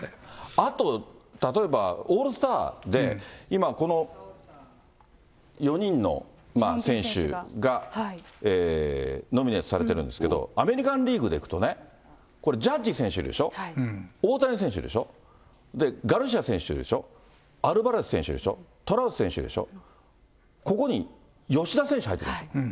あと、例えばオールスターで、今、この４人の選手がノミネートされてるんですけど、アメリカンリーグでいくとね、これ、ジャッジ選手でしょ、大谷選手でしょ、で、ガルシア選手でしょ、アルバレス選手でしょ、トラウト選手でしょ、ここに吉田選手入ってくるんです。